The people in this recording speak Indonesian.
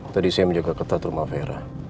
tadi saya menjaga ketat rumah vera